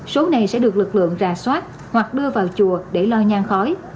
số này sẽ được lực lượng ra soát hoặc đưa vào chùa để lo nhang khói